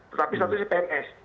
tetapi satu itu pns